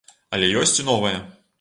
Але ёсць і новае.